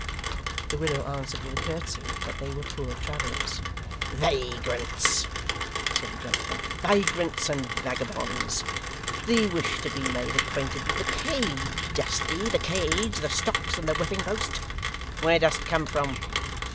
The widow answered with a curtsey, that they were poor travellers. 'Vagrants,' said the gentleman, 'vagrants and vagabonds. Thee wish to be made acquainted with the cage, dost thee the cage, the stocks, and the whipping post? Where dost come from?